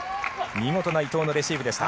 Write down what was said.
見事な伊藤のレシーブでした。